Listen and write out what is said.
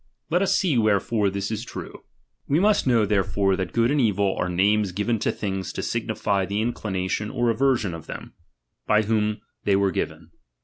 Let us see wherefore «iihii.e this is true. We must know, therefore, that good and evil are names given to things to signify the inclination or aversion of them, by whom they were given.